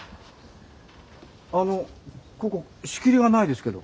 ここ仕切りがないですけど。